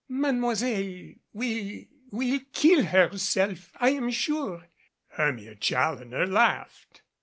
"Mademoiselle will will kill herself, I am sure." Hermia Challoner laughed.